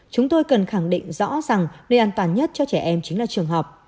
chúng tôi cần khẳng định rõ ràng nơi an toàn nhất cho trẻ em chính là trường học